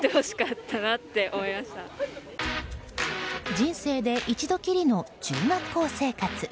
人生で一度きりの中学校生活。